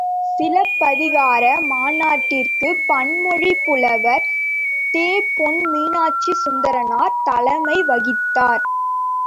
சிலப்பதிகார மாநாட்டிற்குப் பன்மொழிப் புலவர் தெ.பொ.மீனாட்சிசுந்தரனார் தலைமை வகித்தார்.